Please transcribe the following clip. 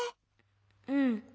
うん。